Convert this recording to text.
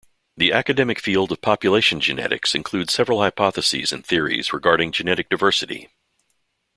The academic field of population genetics includes several hypotheses and theories regarding genetic diversity.